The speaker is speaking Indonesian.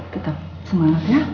tetap semangat ya